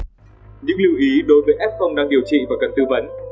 những lưu ý đối với f đang điều trị và cần tư vấn